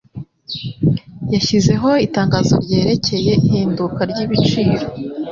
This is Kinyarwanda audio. Yashyizeho itangazo ryerekeye ihinduka ryibiciro